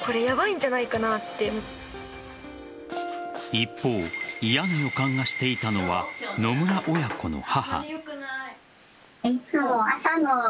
一方、嫌な予感がしていたのは野村親子の母。